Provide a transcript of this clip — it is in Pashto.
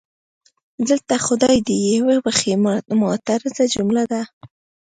دلته خدای دې یې وبښي معترضه جمله ده.